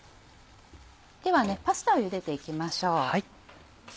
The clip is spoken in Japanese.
ではパスタをゆでていきましょう。